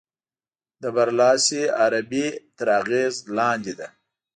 د برلاسې عربي تر اغېز لاندې ده.